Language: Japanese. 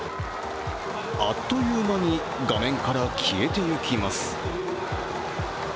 あっという間に画面から消えていきます。